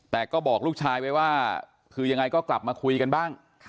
แต่ก็บอกลูกชายไว้ว่าคือยังไงก็กลับมาคุยกันบ้าง